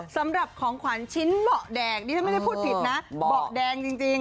สำหรับของขวัญชิ้นเบาะแดงนี่ฉันไม่ได้พูดผิดนะเบาะแดงจริง